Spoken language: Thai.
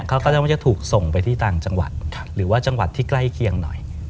เขาก็จะว่าจะถูกส่งไปที่ต่างจังหวัดหรือว่าจังหวัดที่ใกล้เคียงหน่อย